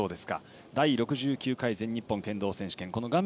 第６９回全日本剣道選手権画面